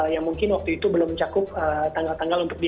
yang mungkin waktu itu belum cukup tanggal tanggal untuk di asia ya